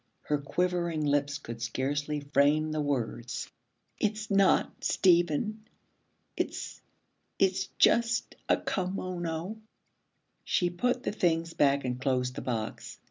Her quivering lips could scarcely frame the words. 'It's not Stephen. It's it's just a kimono.' She put the things back and closed the box.